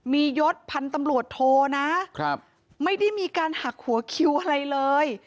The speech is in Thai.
มียศพันธุ์ตำรวจโทนะไม่ได้มีการหักหัวคิวอะไรเลย